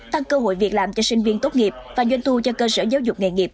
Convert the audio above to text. tăng cơ hội việc làm cho sinh viên tốt nghiệp và doanh thu cho cơ sở giáo dục nghề nghiệp